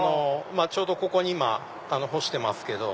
ちょうどここに今干してますけど。